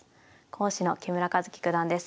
講師の木村一基九段です。